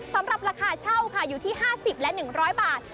สำหรับราคาเช่าค่ะอยู่ที่๕๐และ๑๐๐บาท